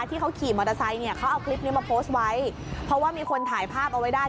ที่เขาขี่มอเตอร์ไซค์เนี่ยเขาเอาคลิปนี้มาโพสต์ไว้เพราะว่ามีคนถ่ายภาพเอาไว้ได้